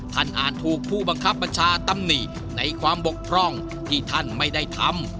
อาจถูกผู้บังคับบัญชาตำหนิในความบกพร่องที่ท่านไม่ได้ทำ